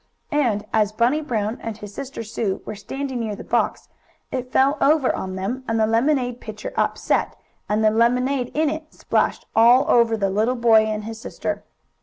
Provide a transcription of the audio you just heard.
And, as Bunny Brown and his sister Sue were standing near the box, it fell over on them, and the lemonade pitcher upset, and the lemonade in it splashed all over the little boy and his sister.